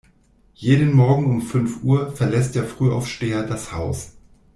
Jeden Morgen um fünf Uhr verlässt der Frühaufsteher das Haus.